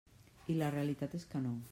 I la realitat és que no.